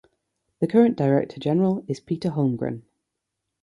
The current Director General is Peter Holmgren.